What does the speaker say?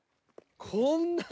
こんなに。